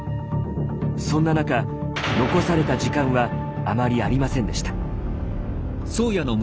そんな中残された時間はあまりありませんでした。